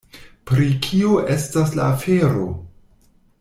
Pri kio estas la afero?